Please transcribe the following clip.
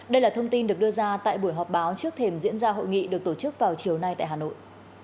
đây là thông tin được đưa ra tại buổi họp báo trước thềm diễn ra hội nghị được tổ chức vào chiều nay tại hà nội